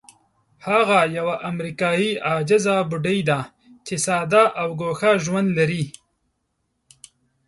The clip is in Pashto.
هغه یوه امریکایي عاجزه بوډۍ ده چې ساده او ګوښه ژوند لري.